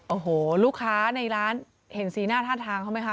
โอ้โหลูกค้าในร้านเห็นสีหน้าท่าทางเขาไหมคะ